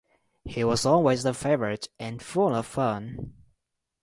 He was always a favorite and full of fun.